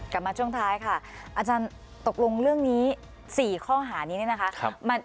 กลับมาช่วงท้ายค่ะอาจารย์ตกลงเรื่องนี้๔ข้อหานี้เนี่ยนะคะ